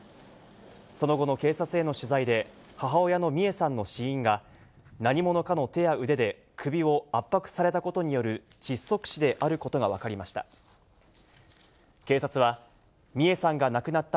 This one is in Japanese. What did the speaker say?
その後の警察への取材で、母親の美恵さんの死因が、何者かの手や腕で首を圧迫されたことによる窒息死であることが分かりました。